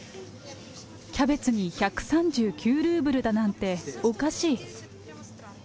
キャベツに１３９ルーブルだなんて、おかしい。